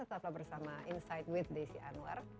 sampai bersama insight with desy anwar